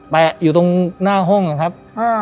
อยู่ตรงหน้าห้องนะครับ